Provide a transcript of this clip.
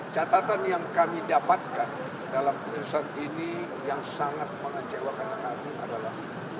catatan yang kami dapatkan dalam keputusan ini yang sangat mengecewakan kami adalah